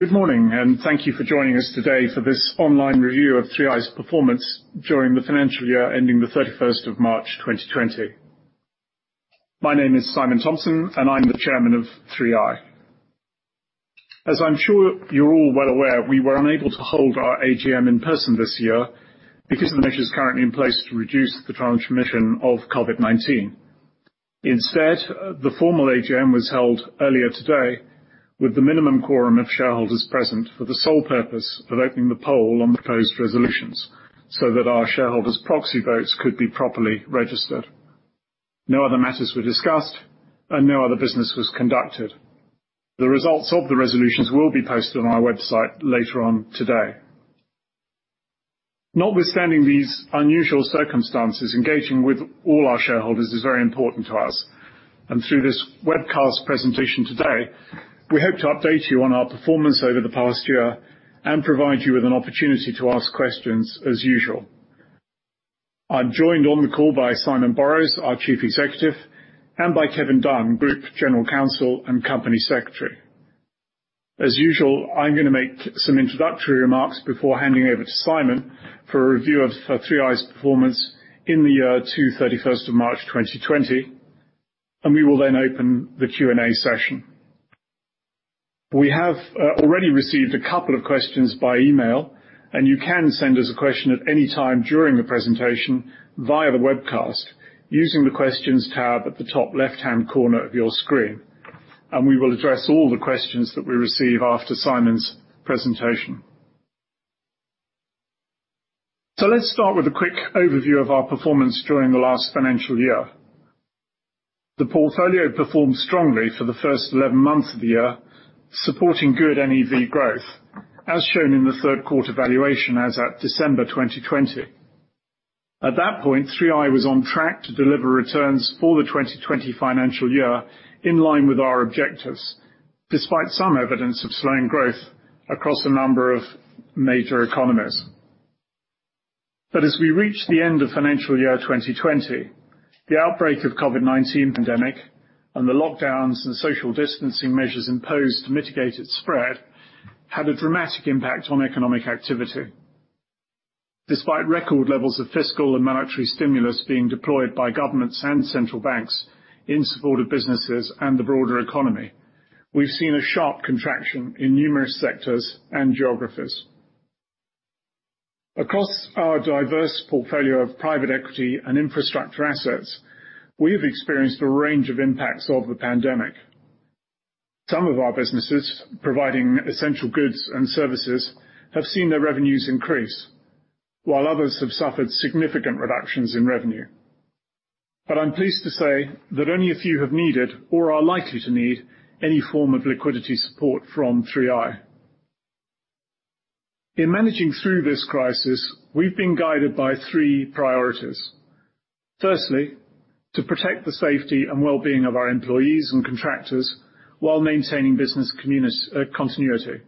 Good morning, and thank you for joining us today for this online review of 3i's performance during the financial year ending the 31st of March 2020. My name is Simon Thompson, and I'm the chairman of 3i. As I'm sure you're all well aware, we were unable to hold our AGM in person this year because of the measures currently in place to reduce the transmission of COVID-19. Instead, the formal AGM was held earlier today with the minimum quorum of shareholders present for the sole purpose of opening the poll on the proposed resolutions so that our shareholders' proxy votes could be properly registered. No other matters were discussed, and no other business was conducted. The results of the resolutions will be posted on our website later on today. Notwithstanding these unusual circumstances, engaging with all our shareholders is very important to us. Through this webcast presentation today, we hope to update you on our performance over the past year and provide you with an opportunity to ask questions as usual. I'm joined on the call by Simon Borrows, our Chief Executive, and by Kevin Dunn, Group General Counsel and Company Secretary. As usual, I'm going to make some introductory remarks before handing over to Simon for a review of 3i's performance in the year to 31st of March 2020, and we will then open the Q&A session. We have already received a couple of questions by email, and you can send us a question at any time during the presentation via the webcast using the questions tab at the top left-hand corner of your screen, and we will address all the questions that we receive after Simon's presentation. Let's start with a quick overview of our performance during the last financial year. The portfolio performed strongly for the first 11 months of the year, supporting good NAV growth, as shown in the third quarter valuation as at December 2020. At that point, 3i was on track to deliver returns for the 2020 financial year in line with our objectives, despite some evidence of slowing growth across a number of major economies. As we reach the end of financial year 2020, the outbreak of COVID-19 pandemic and the lockdowns and social distancing measures imposed to mitigate its spread had a dramatic impact on economic activity. Despite record levels of fiscal and monetary stimulus being deployed by governments and central banks in support of businesses and the broader economy, we've seen a sharp contraction in numerous sectors and geographies. Across our diverse portfolio of private equity and infrastructure assets, we have experienced a range of impacts of the pandemic. Some of our businesses providing essential goods and services have seen their revenues increase, while others have suffered significant reductions in revenue. I'm pleased to say that only a few have needed or are likely to need any form of liquidity support from 3i. In managing through this crisis, we've been guided by three priorities. Firstly, to protect the safety and well-being of our employees and contractors while maintaining business continuity.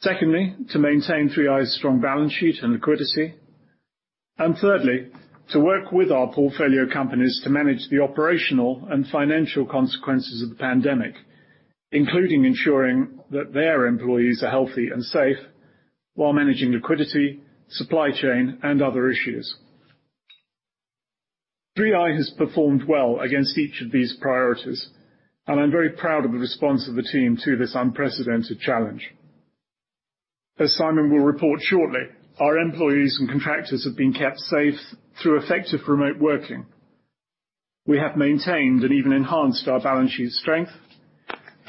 Secondly, to maintain 3i's strong balance sheet and liquidity. Thirdly, to work with our portfolio companies to manage the operational and financial consequences of the pandemic, including ensuring that their employees are healthy and safe while managing liquidity, supply chain, and other issues. 3i has performed well against each of these priorities. I'm very proud of the response of the team to this unprecedented challenge. As Simon will report shortly, our employees and contractors have been kept safe through effective remote working. We have maintained and even enhanced our balance sheet strength.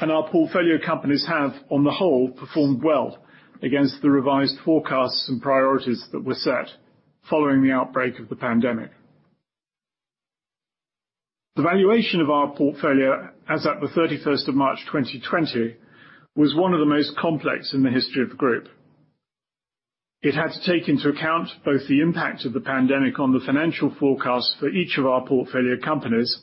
Our portfolio companies have, on the whole, performed well against the revised forecasts and priorities that were set following the outbreak of the pandemic. The valuation of our portfolio as at the 31st of March 2020 was one of the most complex in the history of the group. It had to take into account both the impact of the pandemic on the financial forecast for each of our portfolio companies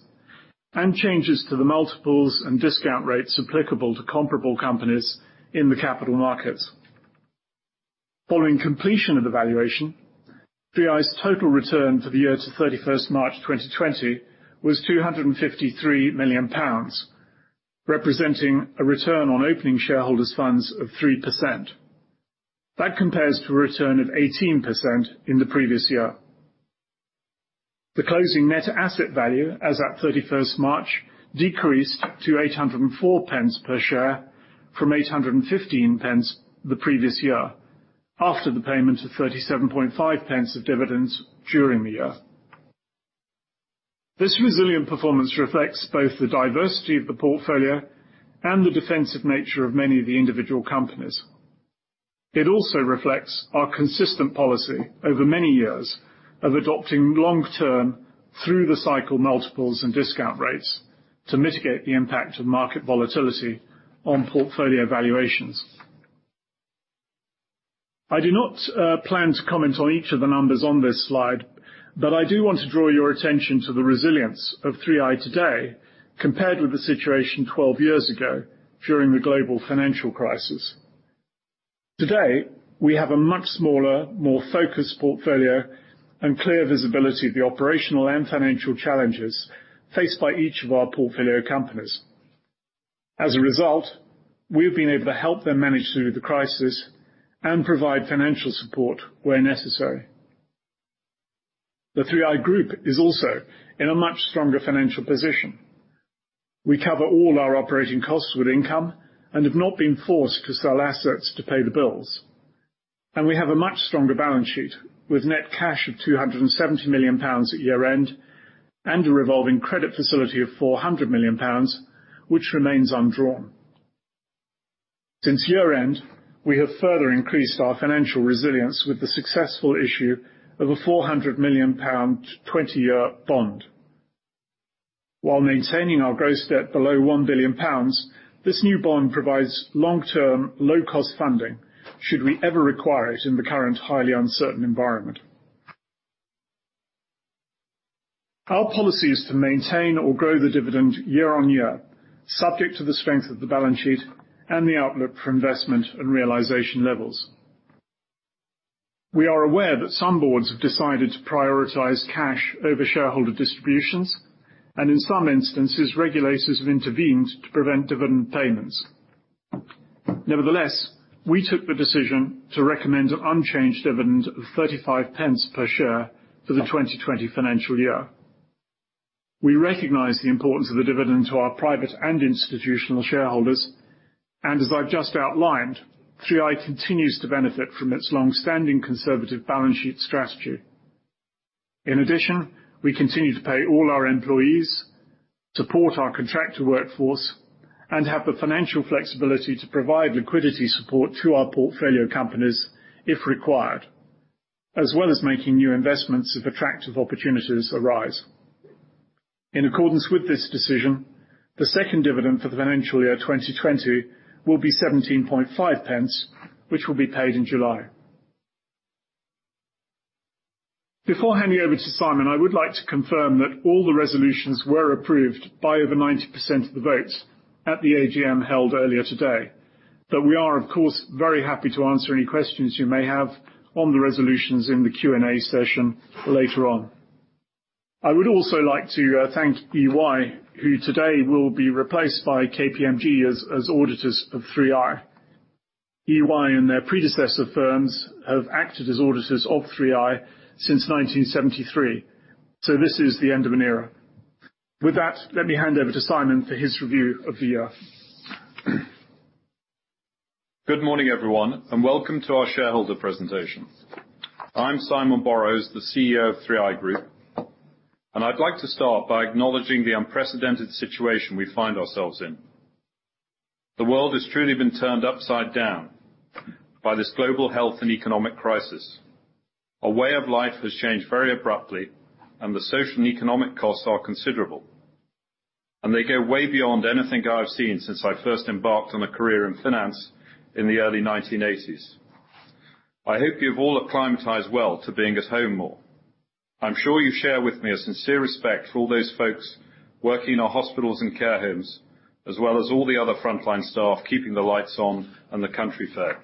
and changes to the multiples and discount rates applicable to comparable companies in the capital markets. Following completion of the valuation, 3i's total return for the year to 31st March 2020 was 253 million pounds, representing a return on opening shareholders' funds of 3%. That compares to a return of 18% in the previous year. The closing net asset value as at 31st March decreased to 8.04 per share from 8.15 the previous year, after the payment of 0.375 of dividends during the year. This resilient performance reflects both the diversity of the portfolio and the defensive nature of many of the individual companies. It also reflects our consistent policy over many years of adopting long-term through the cycle multiples and discount rates to mitigate the impact of market volatility on portfolio valuations. I do not plan to comment on each of the numbers on this slide, but I do want to draw your attention to the resilience of 3i today compared with the situation 12 years ago during the global financial crisis. Today, we have a much smaller, more focused portfolio and clear visibility of the operational and financial challenges faced by each of our portfolio companies. As a result, we've been able to help them manage through the crisis and provide financial support where necessary. The 3i Group is also in a much stronger financial position. We cover all our operating costs with income and have not been forced to sell assets to pay the bills. We have a much stronger balance sheet with net cash of 270 million pounds at year-end, and a revolving credit facility of 400 million pounds, which remains undrawn. Since year-end, we have further increased our financial resilience with the successful issue of a 400 million pound 20-year bond. While maintaining our gross debt below 1 billion pounds, this new bond provides long-term, low-cost funding should we ever require it in the current highly uncertain environment. Our policy is to maintain or grow the dividend year-on-year, subject to the strength of the balance sheet and the outlook for investment and realization levels. We are aware that some boards have decided to prioritize cash over shareholder distributions, and in some instances, regulators have intervened to prevent dividend payments. Nevertheless, we took the decision to recommend an unchanged dividend of 0.35 per share for the 2020 financial year. We recognize the importance of the dividend to our private and institutional shareholders, and as I've just outlined, 3i continues to benefit from its longstanding conservative balance sheet strategy. In addition, we continue to pay all our employees, support our contractor workforce, and have the financial flexibility to provide liquidity support to our portfolio companies if required, as well as making new investments if attractive opportunities arise. In accordance with this decision, the second dividend for the financial year 2020 will be 0.175, which will be paid in July. Before handing over to Simon, I would like to confirm that all the resolutions were approved by over 90% of the votes at the AGM held earlier today. We are, of course, very happy to answer any questions you may have on the resolutions in the Q&A session later on. I would also like to thank EY, who today will be replaced by KPMG as auditors of 3i. EY and their predecessor firms have acted as auditors of 3i since 1973, so this is the end of an era. With that, let me hand over to Simon for his review of the year. Good morning, everyone, and welcome to our shareholder presentation. I'm Simon Borrows, the CEO of 3i Group, and I'd like to start by acknowledging the unprecedented situation we find ourselves in. The world has truly been turned upside down by this global health and economic crisis. Our way of life has changed very abruptly and the social and economic costs are considerable, and they go way beyond anything I've seen since I first embarked on a career in finance in the early 1980s. I hope you've all acclimatized well to being at home more. I'm sure you share with me a sincere respect for all those folks working in our hospitals and care homes, as well as all the other frontline staff keeping the lights on and the country fair.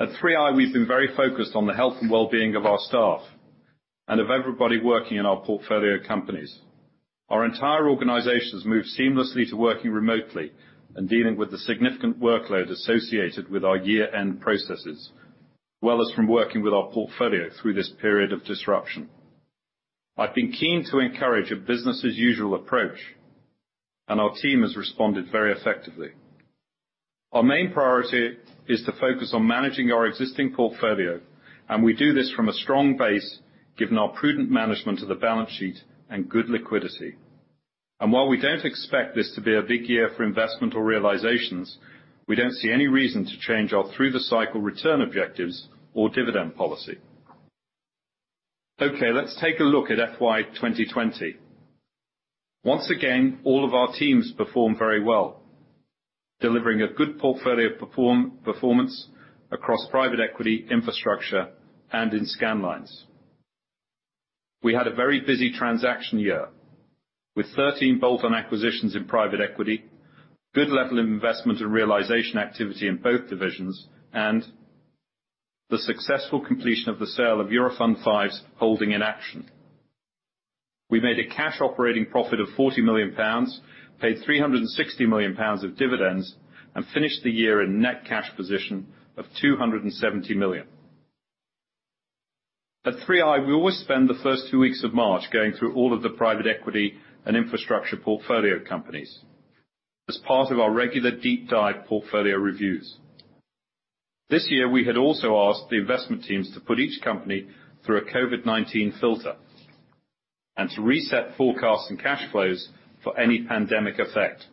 At 3i, we've been very focused on the health and wellbeing of our staff and of everybody working in our portfolio companies. Our entire organization has moved seamlessly to working remotely and dealing with the significant workload associated with our year-end processes, as well as from working with our portfolio through this period of disruption. I've been keen to encourage a business as usual approach, and our team has responded very effectively. Our main priority is to focus on managing our existing portfolio, and we do this from a strong base, given our prudent management of the balance sheet and good liquidity. While we don't expect this to be a big year for investment or realizations, we don't see any reason to change our through-the-cycle return objectives or dividend policy. Okay, let's take a look at FY 2020. Once again, all of our teams performed very well, delivering a good portfolio performance across private equity, infrastructure, and in Scandlines. We had a very busy transaction year, with 13 bolt-on acquisitions in private equity, good level of investment and realization activity in both divisions, and the successful completion of the sale of Eurofund V's holding in Action. We made a cash operating profit of 40 million pounds, paid 360 million pounds of dividends, and finished the year in net cash position of 270 million. At 3i, we always spend the first two weeks of March going through all of the private equity and infrastructure portfolio companies as part of our regular deep dive portfolio reviews. This year, we had also asked the investment teams to put each company through a COVID-19 filter and to reset forecasts and cash flows for any pandemic effect.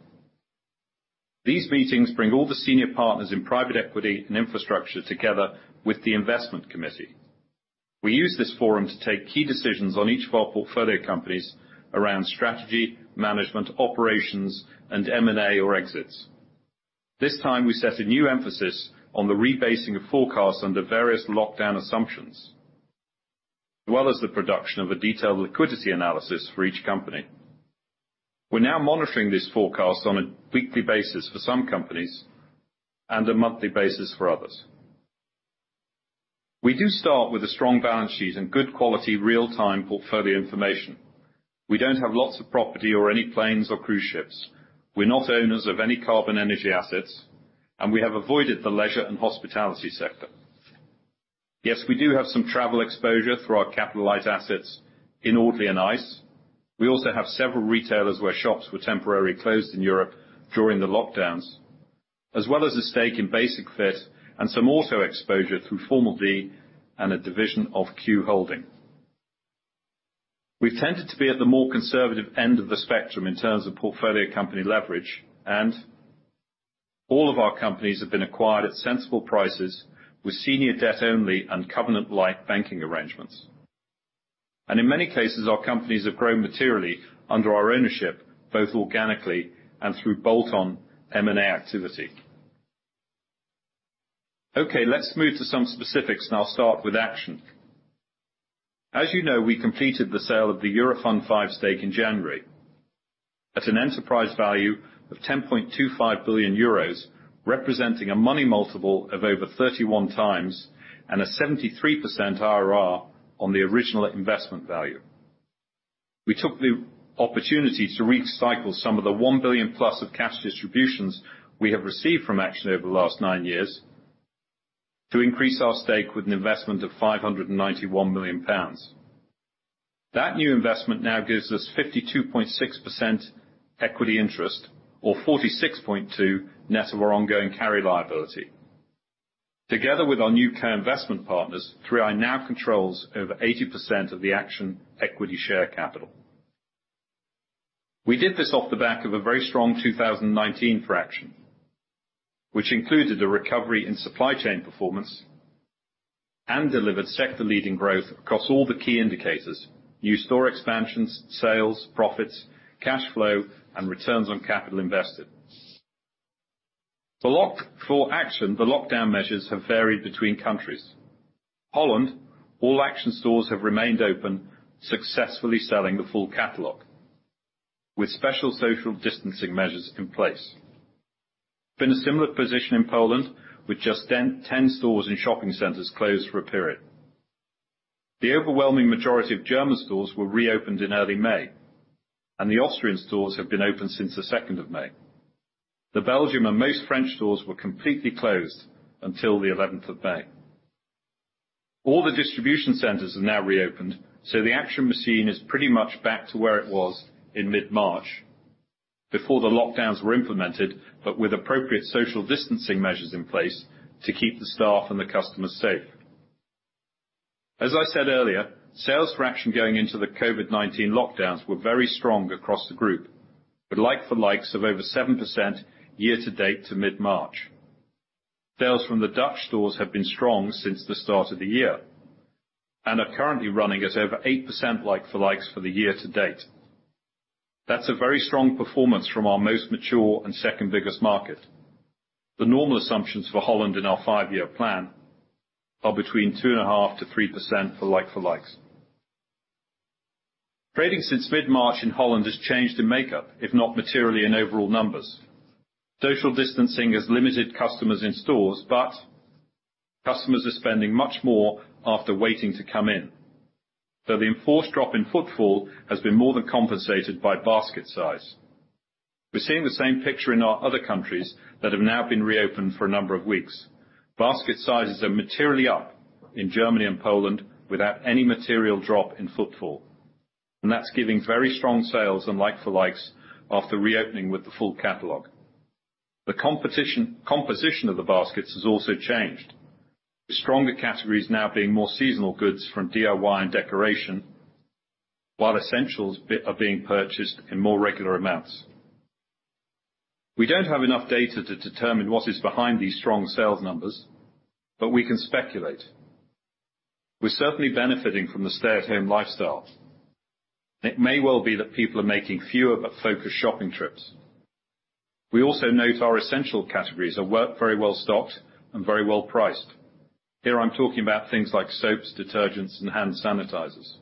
These meetings bring all the senior partners in private equity and infrastructure together with the investment committee. We use this forum to take key decisions on each of our portfolio companies around strategy, management, operations, and M&A or exits. This time, we set a new emphasis on the rebasing of forecasts under various lockdown assumptions, as well as the production of a detailed liquidity analysis for each company. We're now monitoring this forecast on a weekly basis for some companies, and a monthly basis for others. We do start with a strong balance sheet and good quality real-time portfolio information. We don't have lots of property or any planes or cruise ships. We're not owners of any carbon energy assets, and we have avoided the leisure and hospitality sector. Yes, we do have some travel exposure through our capitalized assets in Audley and ICE. We also have several retailers where shops were temporarily closed in Europe during the lockdowns, as well as a stake in Basic-Fit and some auto exposure through Formel D and a division of Q Holding. We've tended to be at the more conservative end of the spectrum in terms of portfolio company leverage, all of our companies have been acquired at sensible prices with senior debt only and covenant-lite banking arrangements. In many cases, our companies have grown materially under our ownership, both organically and through bolt-on M&A activity. Okay, let's move to some specifics, and I'll start with Action. As you know, we completed the sale of the Eurofund V stake in January at an enterprise value of €10.25 billion, representing a money multiple of over 31x and a 73% IRR on the original investment value. We took the opportunity to recycle some of the 1 billion plus of cash distributions we have received from Action over the last nine years to increase our stake with an investment of 591 million pounds. That new investment now gives us 52.6% equity interest or 46.2% net of our ongoing carry liability. Together with our new co-investment partners, 3i now controls over 80% of the Action equity share capital. We did this off the back of a very strong 2019 for Action, which included a recovery in supply chain performance and delivered sector leading growth across all the key indicators, new store expansions, sales, profits, cash flow and returns on capital invested. For Action, the lockdown measures have varied between countries. Holland, all Action stores have remained open, successfully selling the full catalog with special social distancing measures in place. Been a similar position in Poland, with just 10 stores and shopping centers closed for a period. The overwhelming majority of German stores were reopened in early May, and the Austrian stores have been open since the second of May. The Belgium and most French stores were completely closed until the 11th of May. All the distribution centers have now reopened, so the Action machine is pretty much back to where it was in mid-March before the lockdowns were implemented, but with appropriate social distancing measures in place to keep the staff and the customers safe. As I said earlier, sales for Action going into the COVID-19 lockdowns were very strong across the group, with like for likes of over 7% year to date to mid-March. Sales from the Dutch stores have been strong since the start of the year and are currently running at over 8% like for likes for the year-to-date. That's a very strong performance from our most mature and second biggest market. The normal assumptions for Holland in our five-year plan are between 2.5%-3% for like for likes. Trading since mid-March in Holland has changed in makeup, if not materially in overall numbers. Social distancing has limited customers in stores, but customers are spending much more after waiting to come in. The enforced drop in footfall has been more than compensated by basket size. We're seeing the same picture in our other countries that have now been reopened for a number of weeks. Basket sizes are materially up in Germany and Poland without any material drop in footfall, that's giving very strong sales and like for likes after reopening with the full catalog. The composition of the baskets has also changed, with stronger categories now being more seasonal goods from DIY and decoration, while essentials are being purchased in more regular amounts. We don't have enough data to determine what is behind these strong sales numbers, but we can speculate. We're certainly benefiting from the stay-at-home lifestyle. It may well be that people are making fewer but focused shopping trips. We also note our essential categories are very well stocked and very well priced. Here I'm talking about things like soaps, detergents, and hand sanitizers.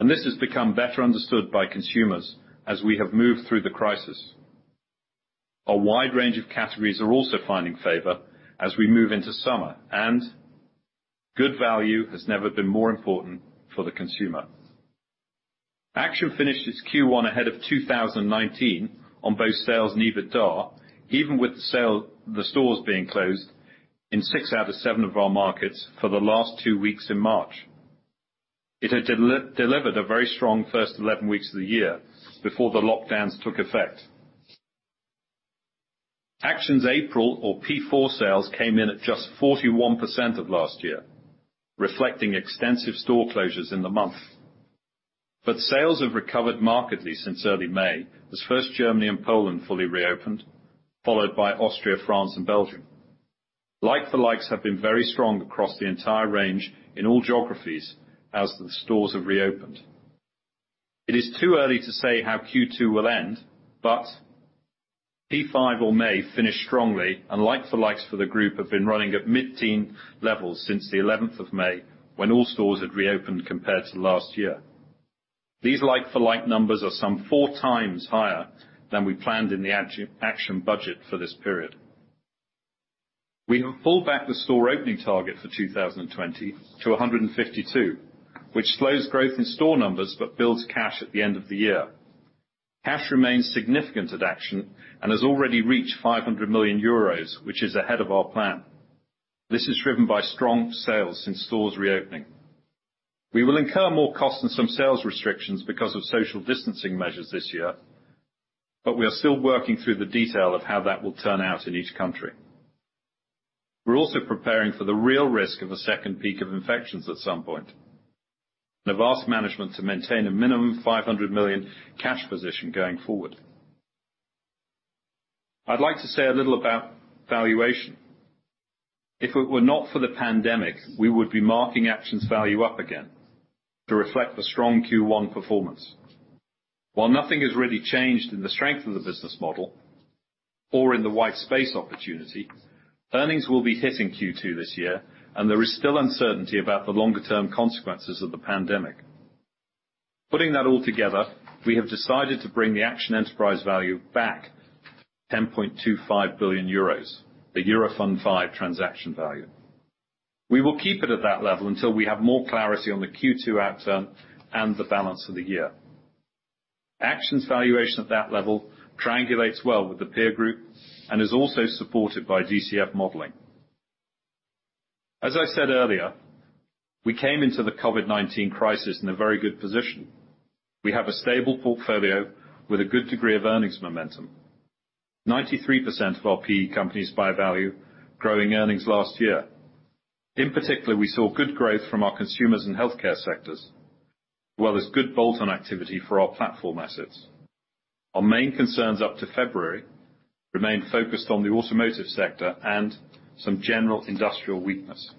This has become better understood by consumers as we have moved through the crisis. A wide range of categories are also finding favor as we move into summer, and good value has never been more important for the consumer. Action finished its Q1 ahead of 2019 on both sales and EBITDA, even with the stores being closed in six out of seven of our markets for the last two weeks in March. It had delivered a very strong first 11 weeks of the year before the lockdowns took effect. Action's April or P4 sales came in at just 41% of last year, reflecting extensive store closures in the month. Sales have recovered markedly since early May, as first Germany and Poland fully reopened, followed by Austria, France and Belgium. Like-for-likes have been very strong across the entire range in all geographies as the stores have reopened. It is too early to say how Q2 will end, but P5 or May finished strongly and like-for-likes for the group have been running at mid-teen levels since the 11th of May, when all stores had reopened compared to last year. These like-for-like numbers are some 4x higher than we planned in the Action budget for this period. We have pulled back the store opening target for 2020 to 152, which slows growth in store numbers, but builds cash at the end of the year. Cash remains significant at Action, and has already reached 500 million euros, which is ahead of our plan. This is driven by strong sales since stores reopening. We will incur more costs and some sales restrictions because of social distancing measures this year, but we are still working through the detail of how that will turn out in each country. We're also preparing for the real risk of a second peak of infections at some point and have asked management to maintain a minimum 500 million cash position going forward. I'd like to say a little about valuation. If it were not for the pandemic, we would be marking Action's value up again to reflect the strong Q1 performance. While nothing has really changed in the strength of the business model or in the white space opportunity, earnings will be hit in Q2 this year, and there is still uncertainty about the longer-term consequences of the pandemic. Putting that all together, we have decided to bring the Action enterprise value back 10.25 billion euros, the Eurofund V transaction value. We will keep it at that level until we have more clarity on the Q2 outturn and the balance of the year. Action's valuation at that level triangulates well with the peer group and is also supported by DCF modeling. As I said earlier, we came into the COVID-19 crisis in a very good position. We have a stable portfolio with a good degree of earnings momentum. 93% of our PE companies by value growing earnings last year. In particular, we saw good growth from our consumers and healthcare sectors, as well as good bolt-on activity for our platform assets. Our main concerns up to February remain focused on the automotive sector and some general industrial weakness.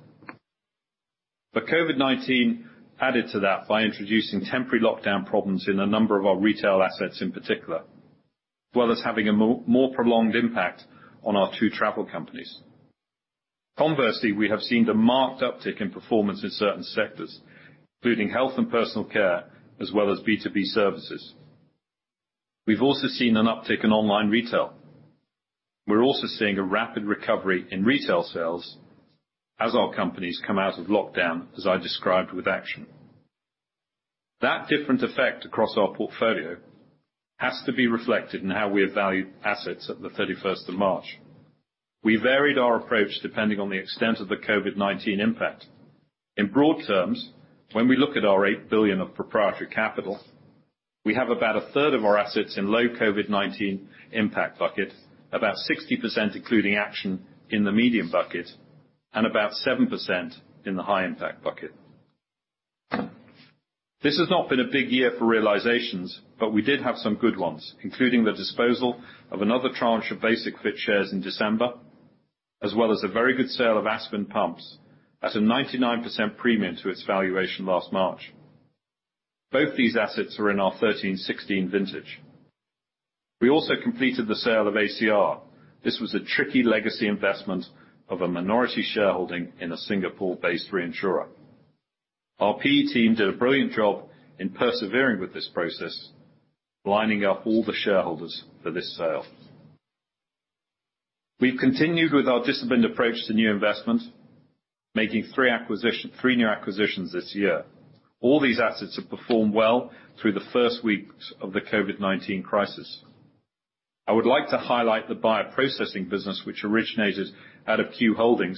COVID-19 added to that by introducing temporary lockdown problems in a number of our retail assets in particular, as well as having a more prolonged impact on our two travel companies. Conversely, we have seen a marked uptick in performance in certain sectors, including health and personal care, as well as B2B services. We've also seen an uptick in online retail. We're also seeing a rapid recovery in retail sales as our companies come out of lockdown, as I described with Action. That different effect across our portfolio has to be reflected in how we have valued assets at the 31st of March. We varied our approach depending on the extent of the COVID-19 impact. In broad terms, when we look at our 8 billion of proprietary capital, we have about a third of our assets in low COVID-19 impact bucket, about 60%, including Action, in the medium bucket, and about 7% in the high impact bucket. This has not been a big year for realizations, we did have some good ones, including the disposal of another tranche of Basic-Fit shares in December, as well as a very good sale of Aspen Pumps at a 99% premium to its valuation last March. Both these assets are in our 13-16 vintage. We also completed the sale of ACR. This was a tricky legacy investment of a minority shareholding in a Singapore-based reinsurer. Our PE team did a brilliant job in persevering with this process, lining up all the shareholders for this sale. We've continued with our disciplined approach to new investment, making three new acquisitions this year. All these assets have performed well through the first weeks of the COVID-19 crisis. I would like to highlight the bioprocessing business, which originated out of Q Holding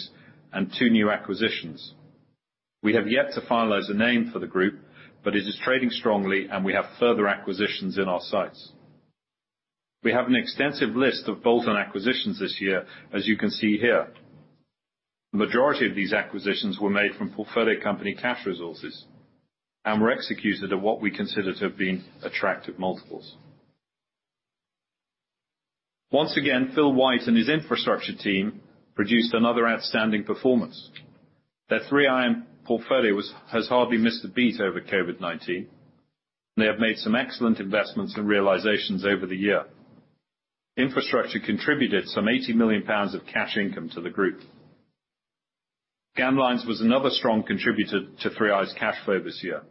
and two new acquisitions. We have yet to finalize a name for the group, but it is trading strongly and we have further acquisitions in our sights. We have an extensive list of bolt-on acquisitions this year, as you can see here. The majority of these acquisitions were made from portfolio company cash resources and were executed at what we consider to have been attractive multiples. Once again, Phil White and his infrastructure team produced another outstanding performance. Their 3i portfolio has hardly missed a beat over COVID-19. They have made some excellent investments and realizations over the year. Infrastructure contributed some 80 million pounds of cash income to the Group. Scandlines was another strong contributor to 3i's cash flow this year,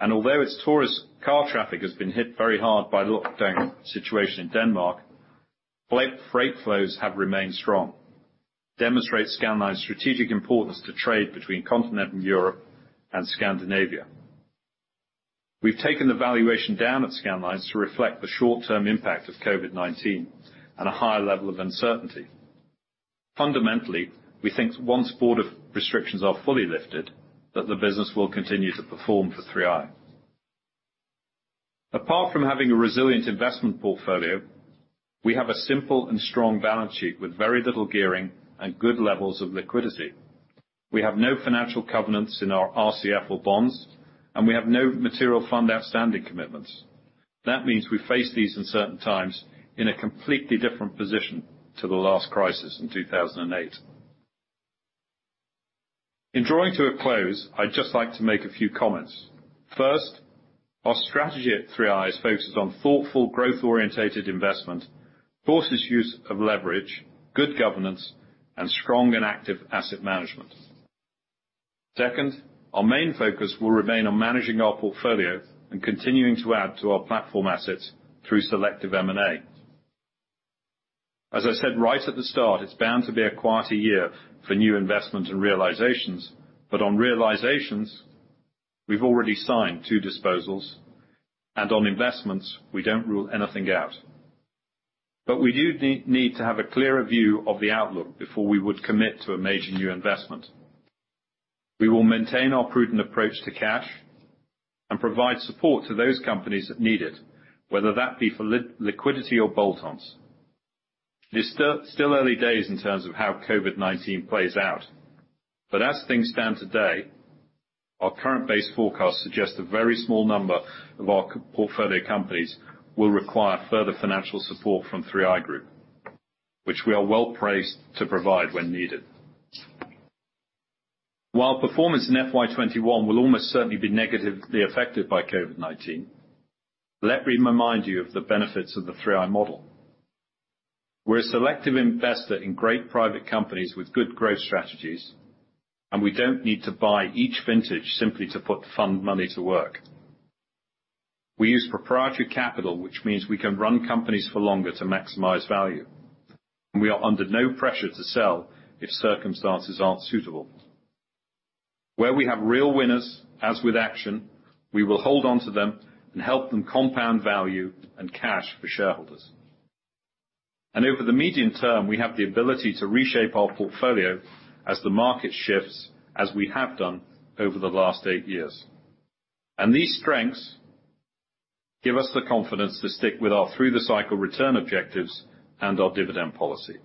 and although its tourist car traffic has been hit very hard by the lockdown situation in Denmark, freight flows have remained strong, demonstrate Scandlines' strategic importance to trade between continental Europe and Scandinavia. We've taken the valuation down at Scandlines to reflect the short-term impact of COVID-19 and a higher level of uncertainty. Fundamentally, we think once border restrictions are fully lifted, that the business will continue to perform for 3i. Apart from having a resilient investment portfolio, we have a simple and strong balance sheet with very little gearing and good levels of liquidity. We have no financial covenants in our RCF or bonds, and we have no material fund outstanding commitments. That means we face these uncertain times in a completely different position to the last crisis in 2008. In drawing to a close, I'd just like to make a few comments. First, our strategy at 3i is focused on thoughtful, growth-orientated investment, cautious use of leverage, good governance, and strong and active asset management. Second, our main focus will remain on managing our portfolio and continuing to add to our platform assets through selective M&A. As I said right at the start, it's bound to be a quieter year for new investment and realizations. On realizations, we've already signed two disposals, and on investments, we don't rule anything out. We do need to have a clearer view of the outlook before we would commit to a major new investment. We will maintain our prudent approach to cash and provide support to those companies that need it, whether that be for liquidity or bolt-ons. It's still early days in terms of how COVID-19 plays out, but as things stand today, our current base forecasts suggest a very small number of our portfolio companies will require further financial support from 3i Group, which we are well-placed to provide when needed. While performance in FY 2021 will almost certainly be negatively affected by COVID-19, let me remind you of the benefits of the 3i model. We're a selective investor in great private companies with good growth strategies, and we don't need to buy each vintage simply to put the fund money to work. We use proprietary capital, which means we can run companies for longer to maximize value, and we are under no pressure to sell if circumstances aren't suitable. Where we have real winners, as with Action, we will hold onto them and help them compound value and cash for shareholders. Over the medium term, we have the ability to reshape our portfolio as the market shifts, as we have done over the last eight years. These strengths give us the confidence to stick with our through-the-cycle return objectives and our dividend policy.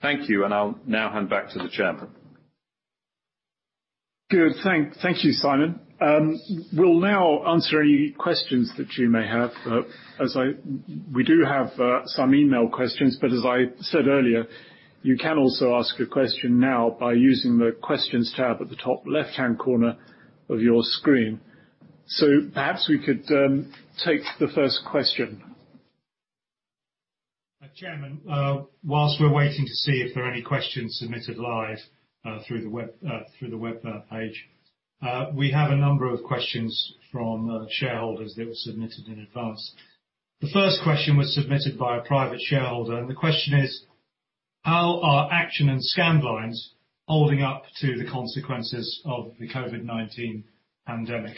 Thank you, and I'll now hand back to the chairman. Good. Thank you, Simon. We'll now answer any questions that you may have. We do have some email questions, but as I said earlier, you can also ask a question now by using the Questions tab at the top left-hand corner of your screen. Perhaps we could take the first question. Chairman, while we're waiting to see if there are any questions submitted live through the web page, we have a number of questions from shareholders that were submitted in advance. The first question was submitted by a private shareholder, and the question is: how are Action and Scandlines holding up to the consequences of the COVID-19 pandemic?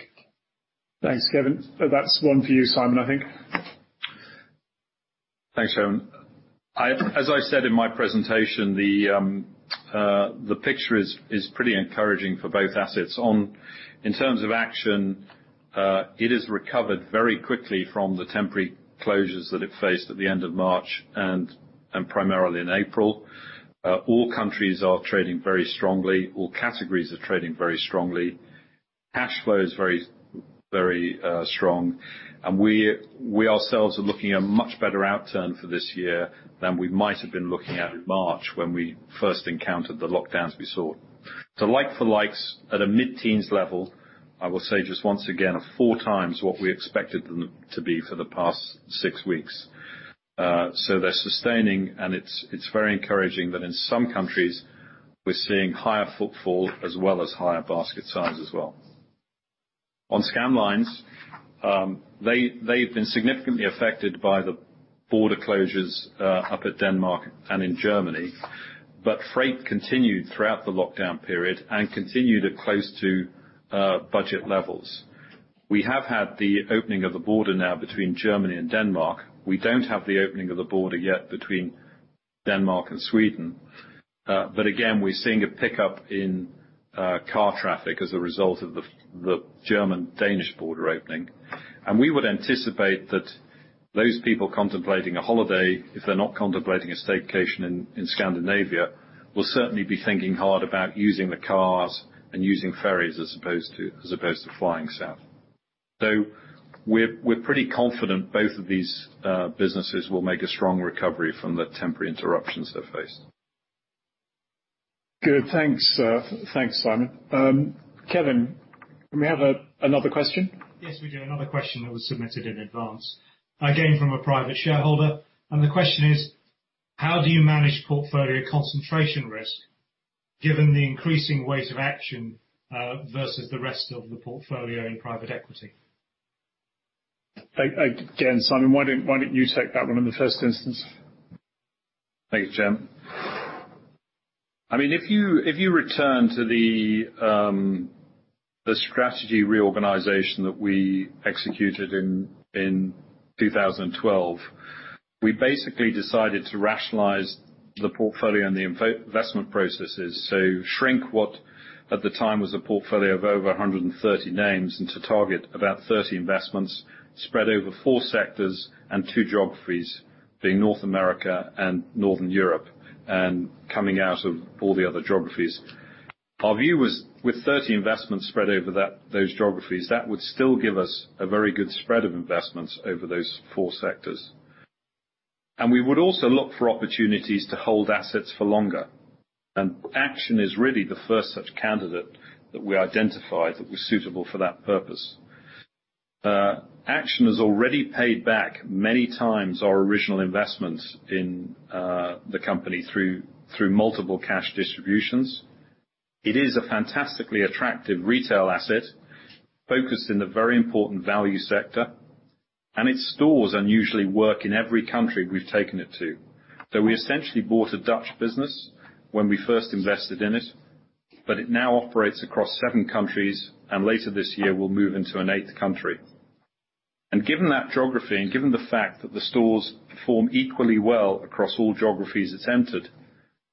Thanks, Kevin. That's one for you, Simon, I think. Thanks, chairman. As I said in my presentation, the picture is pretty encouraging for both assets. In terms of Action, it has recovered very quickly from the temporary closures that it faced at the end of March and primarily in April. All countries are trading very strongly. All categories are trading very strongly. Cash flow is very strong. We ourselves are looking at a much better outturn for this year than we might have been looking at in March when we first encountered the lockdowns we saw. The like for likes at a mid-teens level, I will say just once again, are 4x what we expected them to be for the past six weeks. They're sustaining, and it's very encouraging that in some countries we're seeing higher footfall as well as higher basket size as well. Scandlines, they've been significantly affected by the border closures up at Denmark and in Germany. Freight continued throughout the lockdown period and continued at close to budget levels. We have had the opening of the border now between Germany and Denmark. We don't have the opening of the border yet between Denmark and Sweden. Again, we're seeing a pickup in car traffic as a result of the German-Danish border opening. We would anticipate that those people contemplating a holiday, if they're not contemplating a staycation in Scandinavia, will certainly be thinking hard about using the cars and using ferries as opposed to flying south. We're pretty confident both of these businesses will make a strong recovery from the temporary interruptions they've faced. Good. Thanks, Simon. Kevin, can we have another question? Yes, we do. Another question that was submitted in advance, again from a private shareholder. The question is: how do you manage portfolio concentration risk given the increasing weight of Action versus the rest of the portfolio in private equity? Again, Simon, why don't you take that one in the first instance? Thank you, Chairman. If you return to the strategy reorganization that we executed in 2012, we basically decided to rationalize the portfolio and the investment processes. Shrink what at the time was a portfolio of over 130 names and to target about 30 investments spread over four sectors and two geographies, being North America and Northern Europe, and coming out of all the other geographies. Our view was with 30 investments spread over those geographies, that would still give us a very good spread of investments over those four sectors. We would also look for opportunities to hold assets for longer. Action is really the first such candidate that we identified that was suitable for that purpose. Action has already paid back many times our original investment in the company through multiple cash distributions. It is a fantastically attractive retail asset, focused in the very important value sector, and its stores unusually work in every country we've taken it to. We essentially bought a Dutch business when we first invested in it, but it now operates across seven countries, and later this year will move into an eighth country. Given that geography, and given the fact that the stores perform equally well across all geographies it's entered,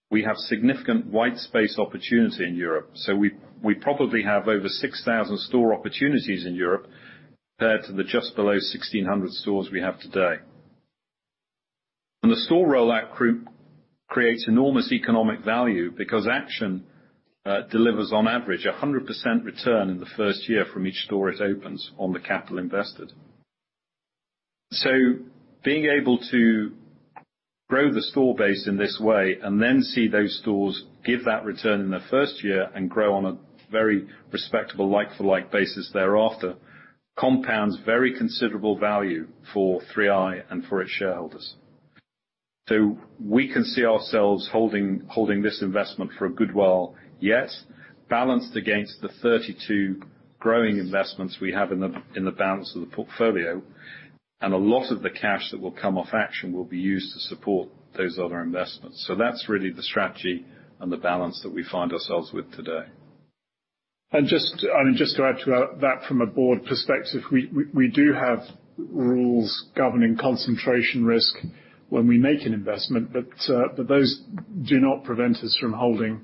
we have significant white space opportunity in Europe. We probably have over 6,000 store opportunities in Europe, compared to the just below 1,600 stores we have today. The store rollout group creates enormous economic value because Action delivers on average 100% return in the first year from each store it opens on the capital invested. Being able to grow the store base in this way and then see those stores give that return in the first year and grow on a very respectable like-for-like basis thereafter, compounds very considerable value for 3i and for its shareholders. We can see ourselves holding this investment for a good while yet, balanced against the 32 growing investments we have in the balance of the portfolio. A lot of the cash that will come off Action will be used to support those other investments. That's really the strategy and the balance that we find ourselves with today. Just to add to that from a board perspective, we do have rules governing concentration risk when we make an investment, but those do not prevent us from holding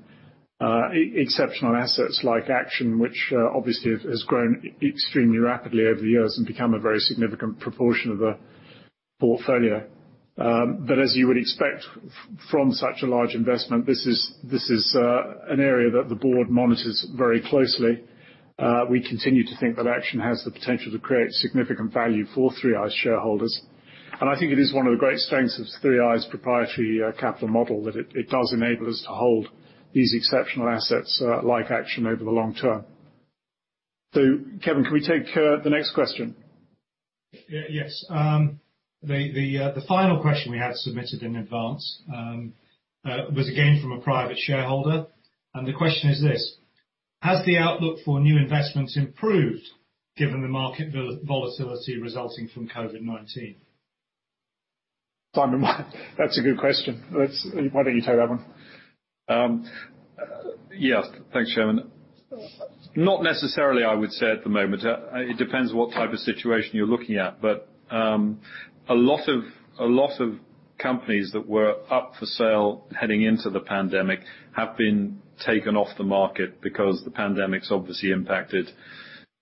exceptional assets like Action, which obviously has grown extremely rapidly over the years and become a very significant proportion of the portfolio. As you would expect from such a large investment, this is an area that the board monitors very closely. We continue to think that Action has the potential to create significant value for 3i's shareholders. It is one of the great strengths of 3i's proprietary capital model that it does enable us to hold these exceptional assets like Action over the long term. Kevin, can we take the next question? Yes. The final question we had submitted in advance was again from a private shareholder, the question is this: Has the outlook for new investments improved given the market volatility resulting from COVID-19? Simon, that's a good question. Why don't you take that one? Yes. Thanks, Chairman. Not necessarily, I would say at the moment. It depends what type of situation you're looking at. A lot of companies that were up for sale heading into the pandemic have been taken off the market because the pandemic's obviously impacted,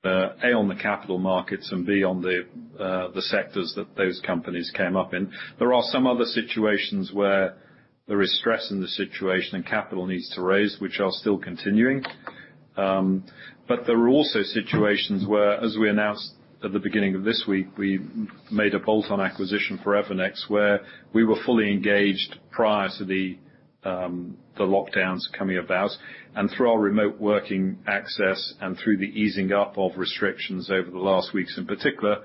A, on the capital markets and, B, on the sectors that those companies came up in. There are some other situations where there is stress in the situation and capital needs to raise, which are still continuing. There are also situations where, as we announced at the beginning of this week, we made a bolt-on acquisition for Evernex, where we were fully engaged prior to the lockdowns coming about. Through our remote working access and through the easing up of restrictions over the last weeks in particular,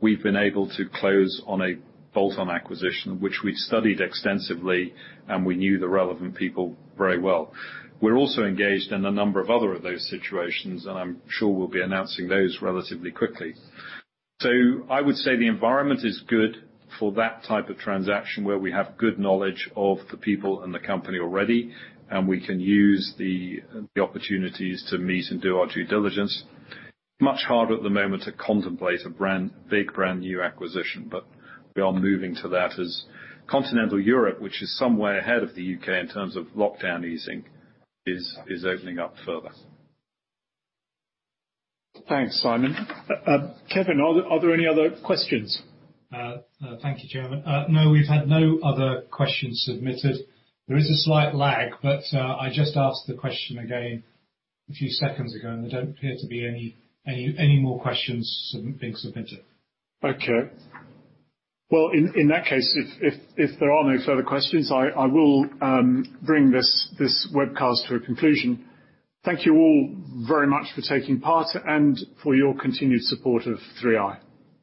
we've been able to close on a bolt-on acquisition, which we studied extensively, and we knew the relevant people very well. We're also engaged in a number of other of those situations, and I'm sure we'll be announcing those relatively quickly. I would say the environment is good for that type of transaction, where we have good knowledge of the people and the company already, and we can use the opportunities to meet and do our due diligence. Much harder at the moment to contemplate a big brand-new acquisition. We are moving to that as continental Europe, which is somewhere ahead of the U.K. in terms of lockdown easing, is opening up further. Thanks, Simon. Kevin, are there any other questions? Thank you, Chairman. No, we've had no other questions submitted. There is a slight lag, but I just asked the question again a few seconds ago, and there don't appear to be any more questions being submitted. Okay. Well, in that case, if there are no further questions, I will bring this webcast to a conclusion. Thank you all very much for taking part and for your continued support of 3i.